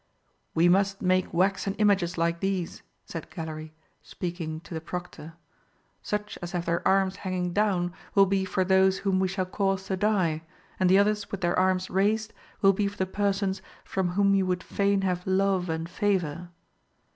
(13) "We must make waxen images like these," said Gallery, speaking to the Proctor. "Such as have their arms hanging down will be for those whom we shall cause to die, and the others with their arms raised will be for the persons from whom you would fain have love and favour."